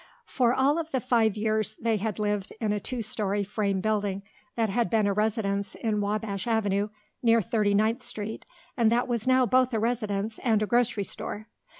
For all of the five years they had lived in a two story frame building that had been a residence in Wabash Avenue near Thirty ninth Street and that was now both a residence and a grocery store.